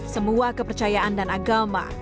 semua kepercayaan dan agama